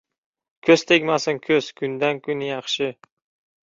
Ko‘z tegmasin ko‘z, kundan kun yaxshi!